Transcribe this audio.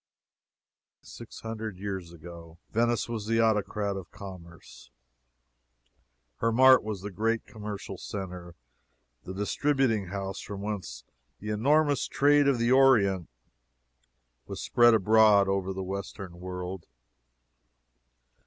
Six hundred years ago, Venice was the Autocrat of Commerce; her mart was the great commercial centre, the distributing house from whence the enormous trade of the Orient was spread abroad over the Western world.